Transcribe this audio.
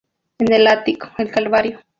En el ático, el Calvario.